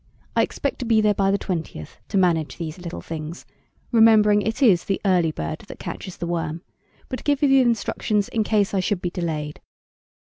I expect to be there by the twentieth, to manage these little things remembering it is the early Bird that catches the worm but give you the instructions in case I should be delayed.